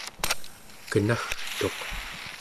kenagtuq